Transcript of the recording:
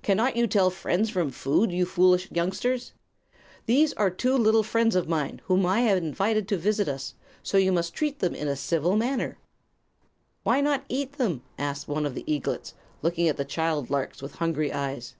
"Cannot you tell friends from food, you foolish youngsters? These are two little friends of mine whom I have invited to visit us; so you must treat them in a civil manner." "Why not eat them?" asked one of the eaglets, looking at the child larks with hungry eyes.